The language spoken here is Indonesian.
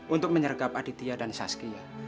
untuk menyergap aditya dan si wanita